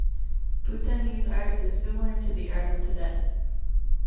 Bhutanese art is similar to the art of Tibet.